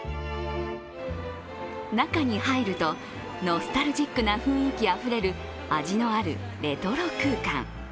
中に入るとノスタルジックな雰囲気あふれる味のあるレトロ空間。